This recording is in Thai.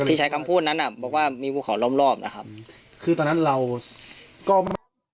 ที่ใช้คำพูดนั้นบอกว่ามีภูเขาร้อมรอบนะครับ